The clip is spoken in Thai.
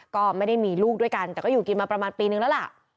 ก็ไม่ได้มีลูกด้วยกันแต่ก็อยู่กินมาประมาณปีนึงแล้วล่ะ